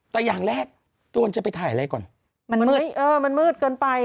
ถ้าโดนแล้วถ่ายในเมืองอะได้